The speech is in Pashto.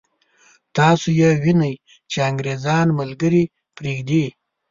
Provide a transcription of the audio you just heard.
تاسو یې وینئ چې انګرېزان ملګري پرېږدي.